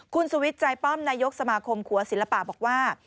คุณสุวิทย์ใจป้อมนายกสมาคมขัวศิลปะบอกว่า